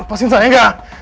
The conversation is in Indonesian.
lepasin saya enggak